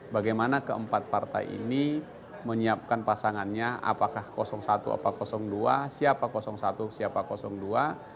bagaimana keempat partai ini menyiapkan pasangannya apakah satu atau dua siapa satu siapa dua